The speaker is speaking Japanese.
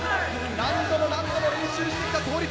何度も何度も練習してきた倒立。